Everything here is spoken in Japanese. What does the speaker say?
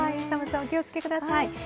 寒さ、お気をつけください。